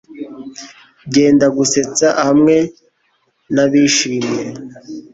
byendagusetsa hamwe n'abishimye